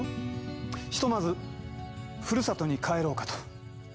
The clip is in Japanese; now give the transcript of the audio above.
ひとまずふるさとに帰ろうかと。